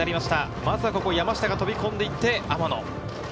まずは山下が飛び込んでいって天野。